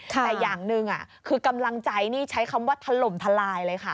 แต่อย่างหนึ่งคือกำลังใจนี่ใช้คำว่าถล่มทลายเลยค่ะ